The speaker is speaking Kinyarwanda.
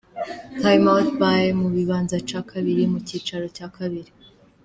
Plymouth bai mu ibanza ca kabiri mu cicaro ca kabiri.